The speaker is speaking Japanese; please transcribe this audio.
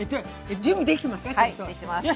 準備できてますか？